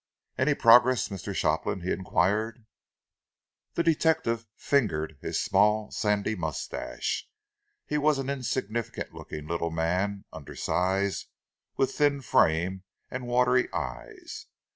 "Any progress, Mr. Shopland?" he enquired. The detective fingered his small, sandy moustache. He was an insignificant looking little man, undersized, with thin frame and watery eyes.